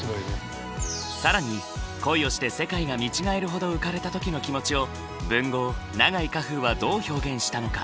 更に恋をして世界が見違えるほど浮かれた時の気持ちを文豪永井荷風はどう表現したのか。